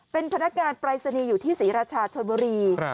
เป็นพนักงานปรายศนีย์อยู่ที่ศรีราชาชนบุรี